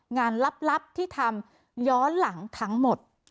งานลับที่ทำย้อนหลังทั้งหมด